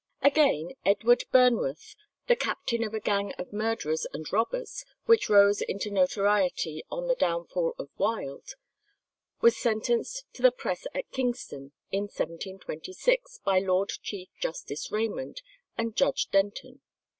] Again, Edward Burnworth, the captain of a gang of murderers and robbers which rose into notoriety on the downfall of Wild, was sentenced to the press at Kingston in 1726, by Lord Chief Justice Raymond and Judge Denton.